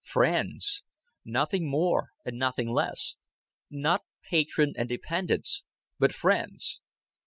Friends! Nothing more, and nothing less. Not patron and dependents, but friends.